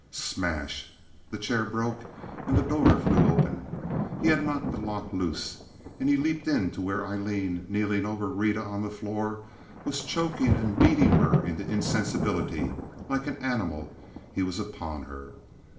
Smash! The chair broke and the door flew open. He had knocked the lock loose and had leaped in to where Aileen, kneeling over Rita on the floor, was choking and beating her into insensibility. Like an animal he was upon her.